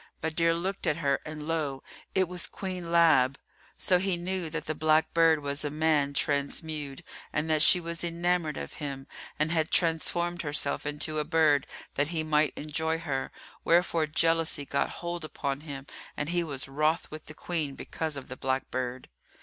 Badr looked at her and lo! it was Queen Lab. So he knew that the black bird was a man transmewed and that she was enamoured of him and had transformed herself into a bird, that he might enjoy her; wherefore jealousy got hold upon him and he was wroth with the Queen because of the black bird.